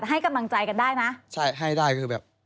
ให้กำลังใจกันได้นะใช่ให้ได้ก็คือแบบ